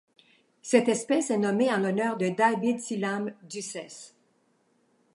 Cette espèce est nommée en l'honneur de David Sillam-Dussès.